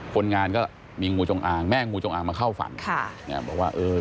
คนงานก็มีงูจงอางแม่งูจงอางมาเข้าฝันค่ะอ่าบอกว่าเออ